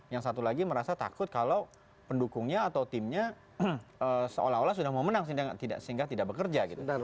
yang satu lagi merasa takut kalau pendukungnya atau timnya seolah olah sudah mau menang sehingga tidak bekerja gitu